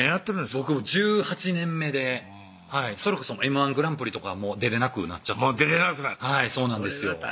僕１８年目でそれこそＭ−１グランプリとかは出れなくなったはいそうなんですよ